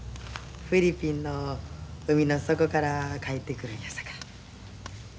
フィリピンの海の底から帰ってくるんやさか。